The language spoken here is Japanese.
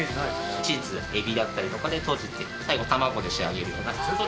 チーズ、エビだったりでとじて最後、卵で仕上げるような、当店